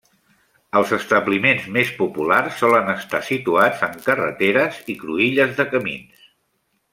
Els establiments més populars solen estar situats en carreteres i cruïlles de camins.